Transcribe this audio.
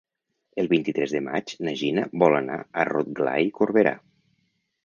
El vint-i-tres de maig na Gina vol anar a Rotglà i Corberà.